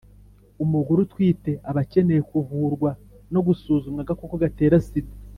umugore utwite aba akeneye kuvurwa no gusuzumwa agakoko gatera sida,